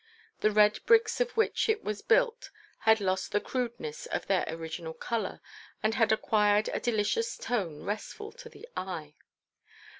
The red bricks of which it was built had lost the crudeness of their original colour and had acquired a delicious tone restful to the eye.